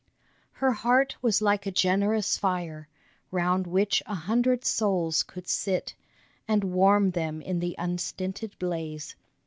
HER heart was like a generous fire, Round which a hundred souls could sit And warm them in the unstinted blaze.